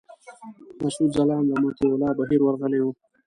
مسعود ځلاند او مطیع الله بهیر ورغلي وو.